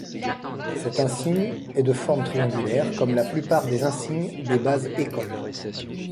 Cet insigne est de forme triangulaire, comme la plupart des insignes des Bases Écoles.